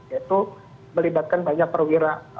yaitu melibatkan banyak perwira